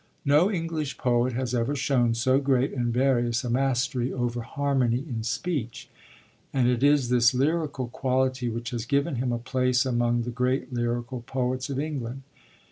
No English poet has ever shown so great and various a mastery over harmony in speech, and it is this lyrical quality which has given him a place among the great lyrical poets of England.